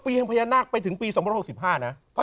ปีนี้พญานาคไปถึงปี๒๕๖๕นะ